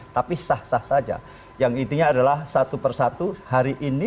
tapi sah sah saja yang intinya adalah satu persatu hari ini